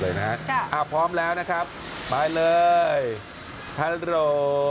เลยนะฮะพร้อมแล้วนะครับไปเลยฮัลโหล